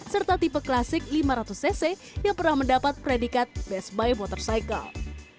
serta tipe klasik lima ratus cc yang pernah mendapat predikat best buy motorcycle